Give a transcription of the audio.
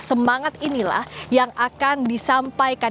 semangat inilah yang akan disampaikan